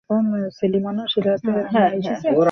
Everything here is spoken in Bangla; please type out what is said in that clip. তিনি সমাজ সংস্কারমূলক কর্মকাণ্ডে জড়িত ছিলেন।